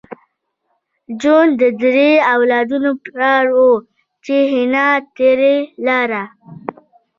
جون د دریو اولادونو پلار و چې حنا ترې لاړه